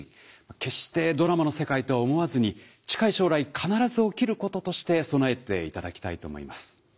決してドラマの世界とは思わずに近い将来必ず起きることとして備えていただきたいと思います。